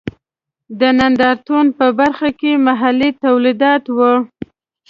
د نندارتون په برخه کې محلي تولیدات و.